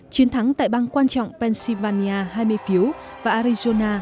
chiến thắng tại bang quan trọng pennsylvania hai mươi phiếu và arizona